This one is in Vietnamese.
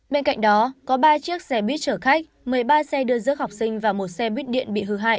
bên cạnh đó có ba chiếc xe buýt chở khách một mươi ba xe đưa rước học sinh và một xe buýt điện bị hư hại